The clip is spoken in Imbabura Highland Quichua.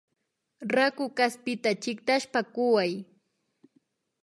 Raku kaspita chiktashpa kuway